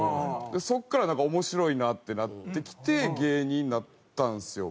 そこからなんか面白いなってなってきて芸人になったんですよ